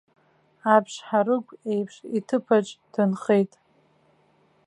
Аԥшҳарыгә еиԥш иҭыԥаҿ дынхеит.